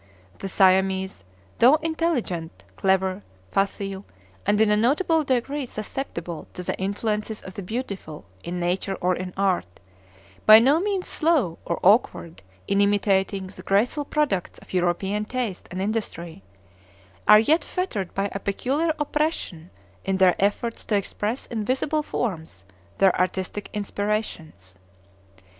The Siamese, though intelligent, clever, facile, and in a notable degree susceptible to the influences of the beautiful in nature or in art, by no means slow or awkward in imitating the graceful products of European taste and industry, are yet fettered by a peculiar oppression in their efforts to express in visible forms their artistic inspirations.